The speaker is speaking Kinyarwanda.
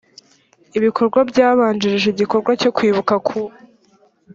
ibikorwa byabanjirije igikorwa cyo kwibuka ku